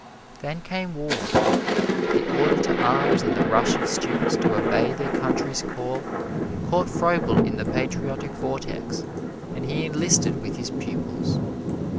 Then came war. The order to arms and the rush of students to obey their country's call caught Froebel in the patriotic vortex, and he enlisted with his pupils.